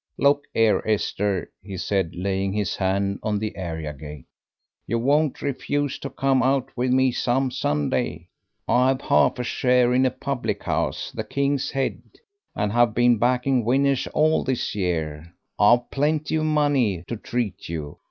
"Look 'ere, Esther," he said, laying his hand on the area gate. "You won't refuse to come out with me some Sunday. I've a half a share in a public house, the 'King's Head,' and have been backing winners all this year. I've plenty of money to treat you.